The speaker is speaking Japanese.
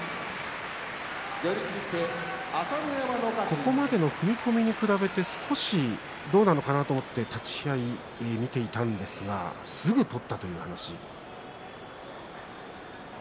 ここまでの踏み込みに比べて少しどうなのかなと一瞬、見ていたんですがすぐ取ったというお話。